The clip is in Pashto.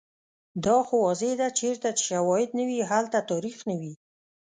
دا خو واضحه ده چیرته چې شوهد نه وي، هلته تاریخ نه وي